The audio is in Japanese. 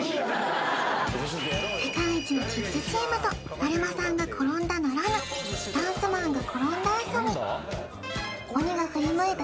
世界一のキッズチームとだるまさんがころんだならぬダンスマンがころんだ遊び